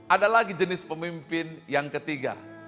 ada lagi jenis pemimpin yang ketiga